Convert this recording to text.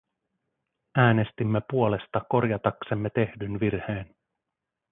Äänestimme puolesta korjataksemme tehdyn virheen.